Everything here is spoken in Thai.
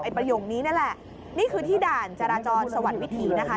ประโยคนี้นั่นแหละนี่คือที่ด่านจราจรสวัสดิวิถีนะคะ